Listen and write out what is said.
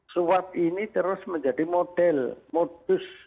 suap ini terus menjadi model modus